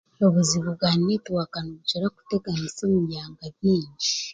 Obuzibu bwa neetiwaaka nibukira kutugaruza omu byanga bingi.